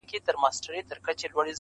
له خوب چي پاڅي، توره تياره وي.